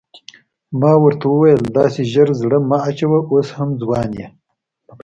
ما ورته وویل داسې ژر زړه مه اچوه اوس هم ځوان یې.